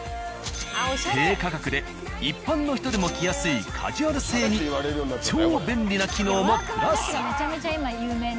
低価格で一般の人でも着やすいカジュアル性に超便利な機能もプラス。